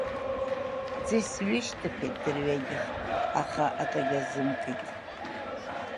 Ҵис ҩышьҭыԥеит дырҩегьых, аха акагьы азымкит.